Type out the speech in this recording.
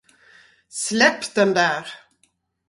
Släpp den där!